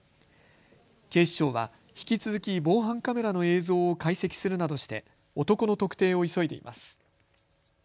警視庁は引き続き防犯カメラの映像を解析するなどして男の特定を急いでいます。